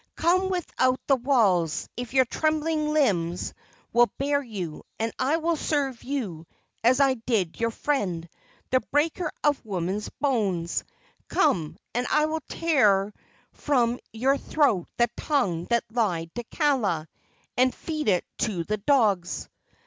Come without the walls, if your trembling limbs will bear you, and I will serve you as I did your friend, the breaker of women's bones. Come, and I will tear from your throat the tongue that lied to Kaala, and feed it to the dogs!"